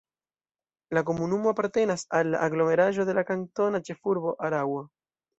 La komunumo apartenas al la aglomeraĵo de la kantona ĉefurbo Araŭo.